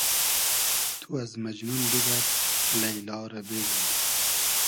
تو از مئجنون بیگئر لݷلا رۂ بېلو